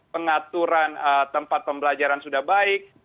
pengaturan tempat pembelajaran sudah baik